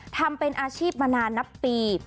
ทำเป็นอาชีพมานานนับปี